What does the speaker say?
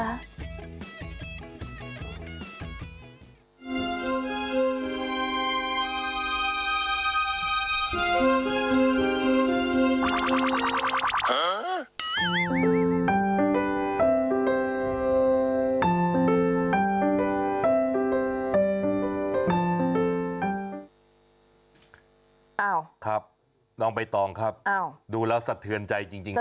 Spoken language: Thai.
อ้าวครับน้องใบตองครับดูแล้วสะเทือนใจจริงครับ